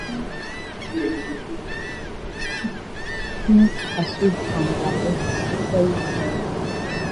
Prince pursued from the left sideline.